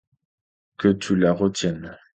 Que tu la retiennes.